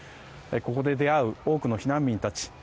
ここで出会う多くの避難民たち。